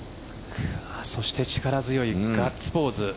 そして力強いガッツポーズ。